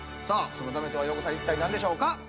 さあそのだめとは洋子さん一体何でしょうか？